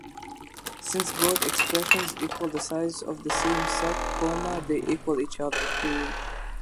Since both expressions equal the size of the same set, they equal each other.